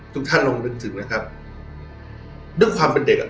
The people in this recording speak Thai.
ทุกท่านลงนึกถึงนะครับด้วยความเป็นเด็กอ่ะ